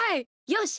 よし！